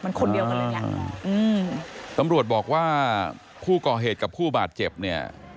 มันคนเดียวกันเลยแหละอืมตำรวจบอกว่าผู้ก่อเหตุกับผู้บาดเจ็บเนี่ย